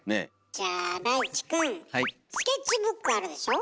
じゃあ大地くんスケッチブックあるでしょ？